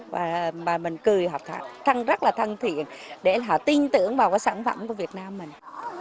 và mình cười chăn rất là thân thiện để họ tin tưởng vào cái sản phẩm của việt nam mình